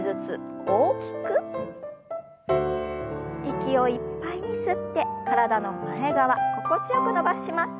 息をいっぱいに吸って体の前側心地よく伸ばします。